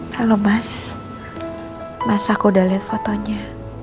halo mas mas aku udah liat fotonya